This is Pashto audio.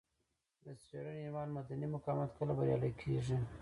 د څېړنې عنوان مدني مقاومت کله بریالی کیږي دی.